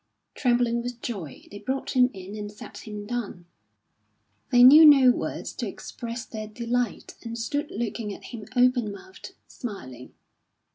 Trembling with joy, they brought him in and sat him down; they knew no words to express their delight, and stood looking at him open mouthed, smiling.